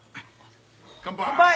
乾杯！